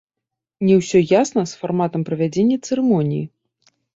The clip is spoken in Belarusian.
Не ўсё ясна з фарматам правядзення цырымоніі.